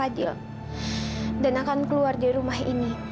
dan akan keluar dari rumah ini